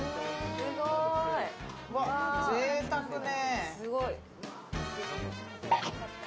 ぜいたくね。